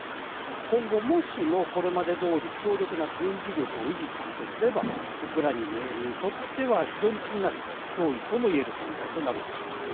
今後もしも、これまでどおり強力な軍事力を維持するとすればウクライナにとっては非常に気になる脅威ともいえる存在となるでしょう。